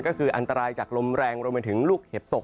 ก็คืออันตรายจากลมแรงรวมไปถึงลูกเห็บตก